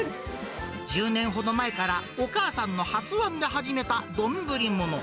１０年ほど前からお母さんの発案で始めた丼もの。